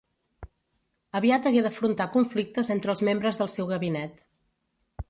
Aviat hagué d'afrontar conflictes entre els membres del seu gabinet.